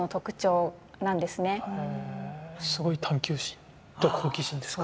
すごい探求心と好奇心ですか。